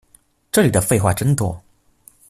這裡的廢話真多